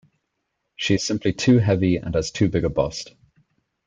She is simply too heavy and has too big a bust.